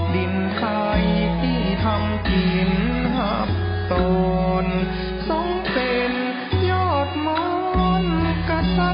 ดินไทยที่ทำกินหับโตนทรงเป็นยอดหมอนกระสัตว์มักพัฒนา